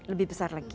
lebih besar lagi